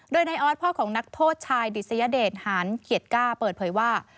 โดยนายออสพ่อของนักโทษชายดิสยเดชหารเกียรติกล้าเปิดเผยว่า